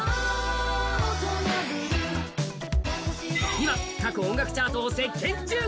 今、各音楽チャートを席巻中！